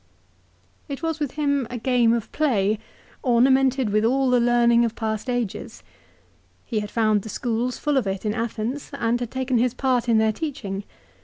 It was with him a game of play, ornamented with all the learning of past ages. He had found the schools full of it at Athens, and had taken his part in their teaching.